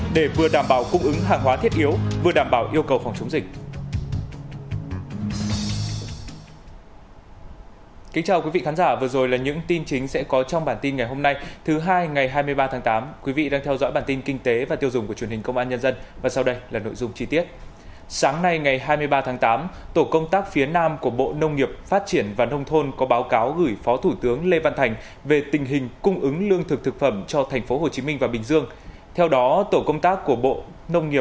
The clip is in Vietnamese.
để vừa đảm bảo cung ứng hàng hóa thiết yếu vừa đảm bảo yêu cầu phòng chống dịch